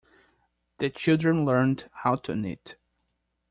The children learned how to knit.